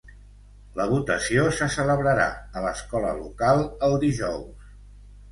La votació se celebrarà a l'escola local el dijous.